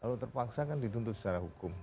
kalau terpaksa kan dituntut secara hukum